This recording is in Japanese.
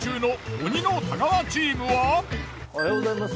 おはようございます。